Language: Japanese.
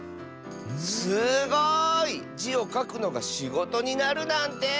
すごい！「じ」をかくのがしごとになるなんて！